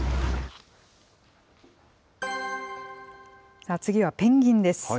さあ次はペンギンです。